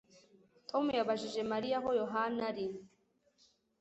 Tom yabajije Mariya aho Yohana ari